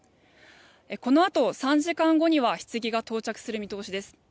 このあと、３時間後にはひつぎが到着する見通しです。